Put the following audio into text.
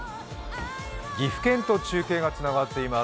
岐阜県と中継がつながっています。